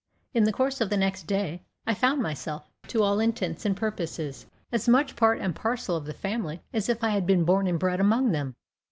In the course of the next day I found myself, to all intents and purposes, as much part and parcel of the family as if I had been born and bred among them.